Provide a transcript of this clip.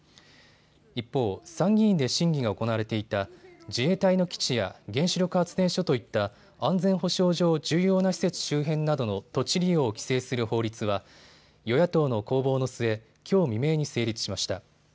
一方、参議院で審議が行われていた自衛隊の基地や原子力発電所といった安全保障上、重要な施設周辺などの土地利用を規制する法律は与野党の攻防の末、きょう未明に成立しました。